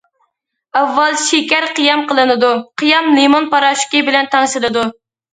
ئاۋۋال شېكەر قىيام قىلىنىدۇ، قىيام لىمون پاراشوكى بىلەن تەڭشىلىدۇ.